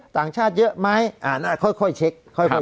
ต่างชาติเยอะไหมค่อยเช็ค